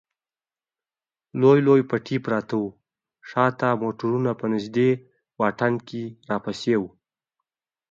لوی لوی پټي پراته و، شا ته موټرونه په نږدې واټن کې راپسې و.